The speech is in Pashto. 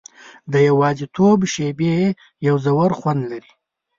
د یوازیتوب شېبې یو ژور خوند لري.